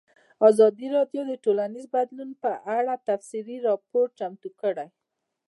ازادي راډیو د ټولنیز بدلون په اړه تفصیلي راپور چمتو کړی.